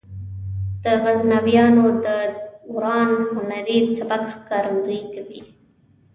د غزنویانو د دوران هنري سبک ښکارندويي کوي.